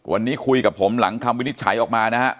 วันนี้คุยกับผมหลังคำวินิจฉัยออกมานะฮะ